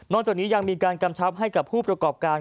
จากนี้ยังมีการกำชับให้กับผู้ประกอบการ